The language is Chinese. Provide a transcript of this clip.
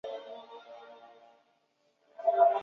这使得分子的光能吸收的范围降低。